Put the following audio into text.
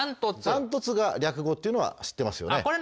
ダントツが略語っていうのは知ってますよね？